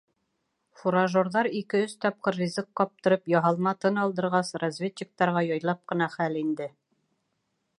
Фуражерҙар ике-өс тапҡыр ризыҡ ҡаптырып, яһалма тын алдырғас, разведчиктарға яйлап ҡына хәл инде.